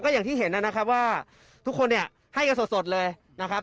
อย่างที่เห็นนะครับว่าทุกคนเนี่ยให้กันสดเลยนะครับ